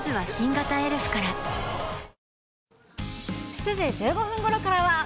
７時１５分ごろからは。